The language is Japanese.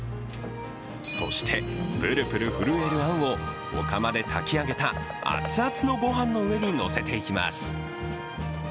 そしてプルプル震えるあんをお釜で炊き上げた熱々のご飯の上に乗せていきます。